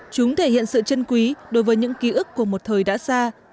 chúng thể hiện sự chân quý đối với những ký ức của một thời đã xa